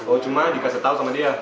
oh cuma dikasih tahu sama dia